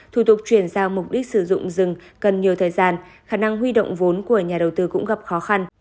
thủ tục chuyển giao mục đích sử dụng rừng cần nhiều thời gian khả năng huy động vốn của nhà đầu tư cũng gặp khó khăn